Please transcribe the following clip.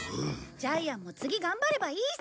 ジャイアンも次頑張ればいいさ。